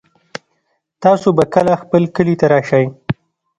تاسو به کله خپل کلي ته راشئ